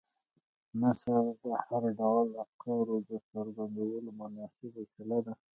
نثر د هر ډول افکارو د څرګندولو مناسبه وسیله ده.